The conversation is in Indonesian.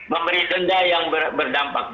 memberi denda yang berdampak